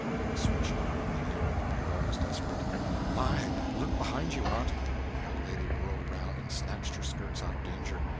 The switch hovered in the air, the peril was desperate "My, look behind you Aunt!" The old lady whirled around and snatched her skirts out of danger.